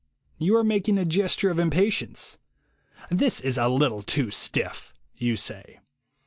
You are making a gesture of impatience. "This is a little too stiff," you say.